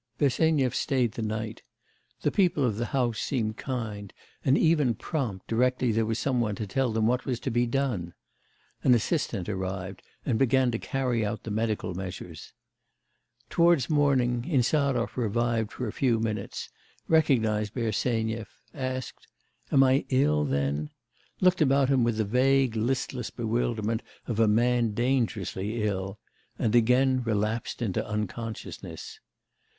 Bersenyev stayed the night. The people of the house seemed kind, and even prompt directly there was some one to tell them what was to be done. An assistant arrived, and began to carry out the medical measures. Towards morning Insarov revived for a few minutes, recognised Bersenyev, asked: 'Am I ill, then?' looked about him with the vague, listless bewilderment of a man dangerously ill, and again relapsed into unconsciousness.